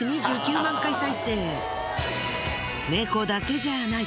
猫だけじゃない！